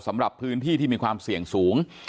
สำหรับพื้นที่ที่มีความเสี่ยงสูง